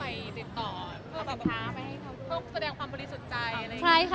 มันเป็นปัญหาจัดการอะไรครับ